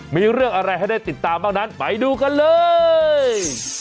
มีเรื่องอะไรให้ได้ติดตามบ้างนั้นไปดูกันเลย